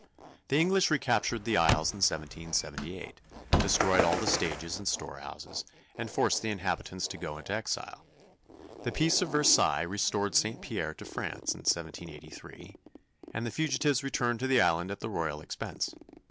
The English recaptured the isles in 1778, destroyed all the stages and store houses, and forced the inhabitants to go into exile. The peace of Versailles restored St. Pierre to France in 1783, and the fugitives returned to the island at the royal expense.